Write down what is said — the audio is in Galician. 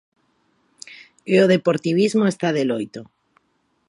E o deportivismo está de loito.